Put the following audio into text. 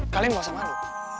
kalian gak usah malu